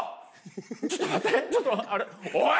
ちょっと待ってちょっとおい！